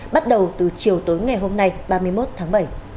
bắt đầu từ chiều tối ngày hôm nay ba mươi một tháng bảy